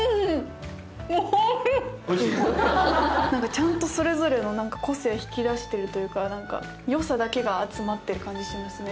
ちゃんとそれぞれの個性引き出してるというかよさだけが集まってる感じしますね。